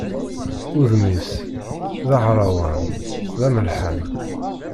Udem-is d ahrawan, d amelḥan.